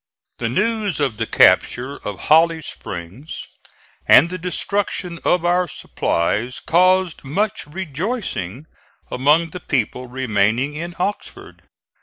The news of the capture of Holly Springs and the destruction of our supplies caused much rejoicing among the people remaining in Oxford.